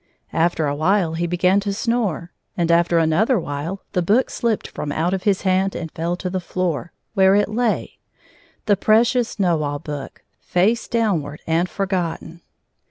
After a while he began to snore, and after another while the book slipped fi^om out his hand and fell to the floor, where it lay — the precious Know All Book — face downward and forgotten.